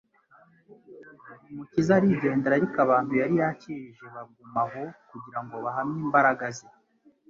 Umukiza arigendera, ariko abantu yari yakijije baguma aho kugira ngo bahamye imbaraga ze.